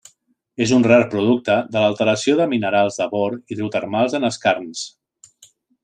És un rar producte de l'alteració de minerals de bor hidrotermals en skarns.